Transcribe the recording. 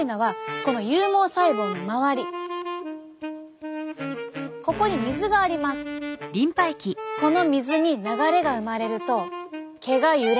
この水に流れが生まれると毛が揺れます。